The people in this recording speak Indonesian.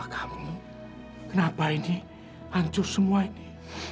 kamu kenapa ini hancur semua ini